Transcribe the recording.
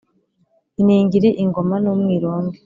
iningiri, ingoma n’umwirongi,